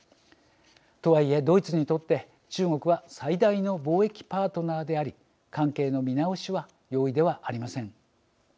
とはいえドイツにとって中国は最大の貿易パートナーであり関係の見直しは容易ではありません。